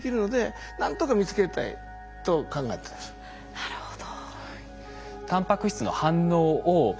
なるほど。